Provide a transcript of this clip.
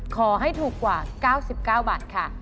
ขอให้ถูกกว่า๙๙บาทค่ะ